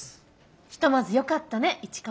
ひとまずよかったね市川。